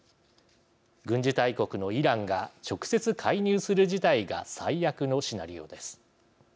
軍事大国のイランが直接介入する事態が最悪のシナリオです。